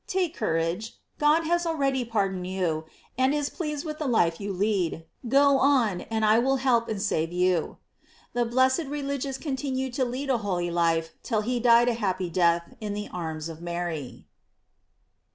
Take courage; God has already pardoned you, and is pleased with the life you lead; go on, and I will help and save you." The blessed religious contin ued to lead a holy life till he died a happy death in the arms of Mary.